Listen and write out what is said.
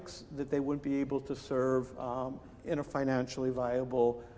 mereka tidak bisa bergabung secara finansial dengan baik